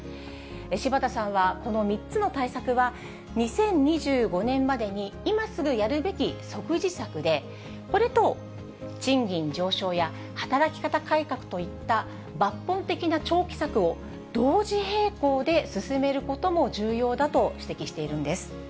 柴田さんは、この３つの対策は、２０２５年までに今すぐやるべき即時策で、これと賃金上昇や働き方改革といった、抜本的な長期策を同時並行で進めることも重要だと指摘しているんです。